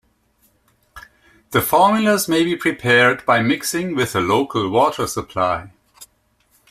The formulas may be prepared by mixing with the local water supply.